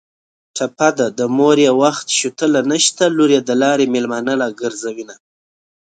ټپه ده: د مور یې وخت شوتله نشته لور یې د لارې مېلمانه راګرځوینه